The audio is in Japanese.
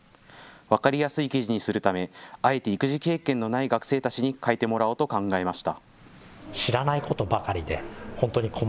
分かりやすい記事にするためあえて育児経験のない学生たちに書いてもらおうと考えました。